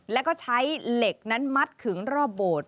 แล้วก็ใช้เหล็กนั้นมัดขึงรอบโบสถ์